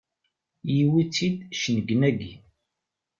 Yewwi-tt-id cennegnagi!